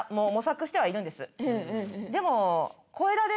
でも。